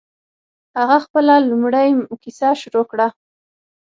هغه خپله لومړۍ کیسه شروع کړه.